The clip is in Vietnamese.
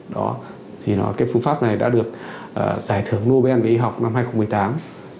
đó thì cái phương pháp này đã được giải thưởng nobel y học năm hai nghìn một mươi tám